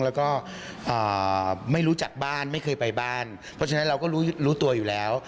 แล้วก็ไม่รู้จักบ้านไม่เคยไปบ้านเพราะฉะนั้นเราก็รู้ตัวอยู่แล้ว